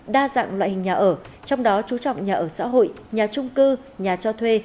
đa dạng loại hình nhà ở trong đó chú trọng nhà ở xã hội nhà trung cư nhà cho thuê